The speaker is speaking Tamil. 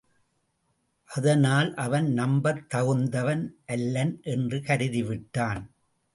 அதனால் அவன் நம்பத் தகுந்தவன் அல்லன் என்று கருதிவிட்டான்.